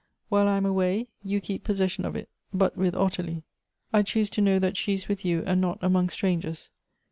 While 1 am awaj', you keep possession of it — but with Oltilie. I choose to know that she is with you, and not among strangers.